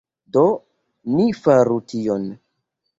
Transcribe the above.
Do, ni faru tion